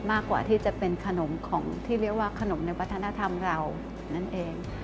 มากกว่าที่จะเป็นขนมของที่เรียกว่าขนมในวัฒนธรรมเรานั่นเอง